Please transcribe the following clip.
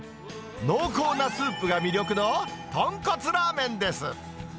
濃厚なスープが魅力のとんこつラーメンです。